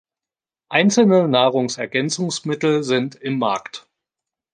Einzelne Nahrungsergänzungsmittel sind im Markt.